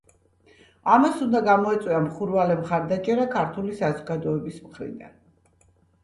ამას უნდა გამოეწვია მხურვალე მხარდაჭერა ქართული საზოგადოების მხრიდან.